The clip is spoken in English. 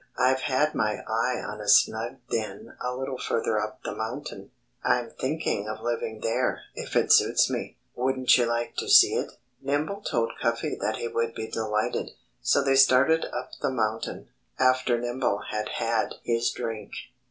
"I've had my eye on a snug den a little further up the mountain. I'm thinking of living there, if it suits me.... Wouldn't you like to see it?" Nimble told Cuffy that he would be delighted. So they started up the mountain, after Nimble had had his drink.